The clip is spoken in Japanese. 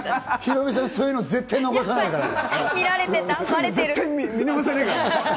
ヒロミさん、そういうの絶対見逃さないからな。